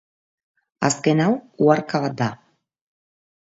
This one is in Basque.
Azken hau, uharka bat da.